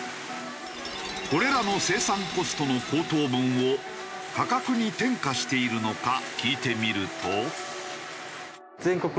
これらの生産コストの高騰分を価格に転嫁しているのか聞いてみると。